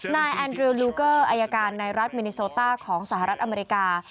นายแอนดริลลูเกอร์อายการในรัฐมินิโซต้าของสหรัฐอเมริกา